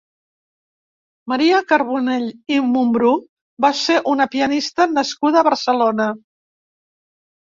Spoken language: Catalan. Maria Carbonell i Mumbrú va ser una pianista nascuda a Barcelona.